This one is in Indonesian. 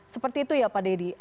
seperti itu ya pak dedy